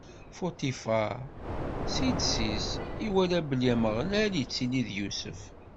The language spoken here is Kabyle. Futifaṛ, ssid-is, iwala belli Ameɣlal ittili d Yusef.